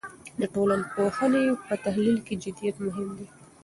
د ټولنپوهنې په تحلیل کې جدیت مهم دی.